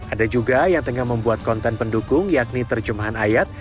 ada juga yang tengah membuat konten pendukung yakni terjemahan ayat